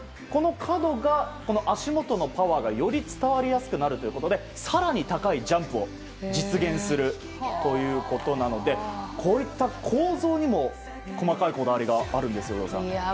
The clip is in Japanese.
この角が、足元のパワーがより伝わりやすくなるということで更に高いジャンプを実現するということなのでこういった構造にも細かいこだわりがあるんです有働さん。